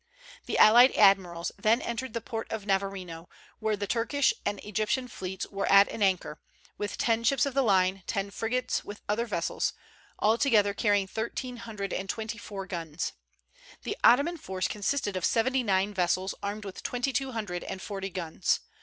The allied admirals then entered the port of Navarino, where the Turkish and Egyptian fleets were at anchor, with ten ships of the line, ten frigates, with other vessels, altogether carrying thirteen hundred and twenty four guns. The Ottoman force consisted of seventy nine vessels, armed with twenty two hundred and forty guns.